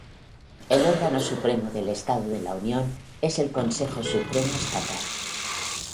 El órgano supremo del Estado de la Unión es el Consejo Supremo Estatal.